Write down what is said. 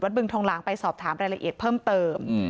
บึงทองหลางไปสอบถามรายละเอียดเพิ่มเติม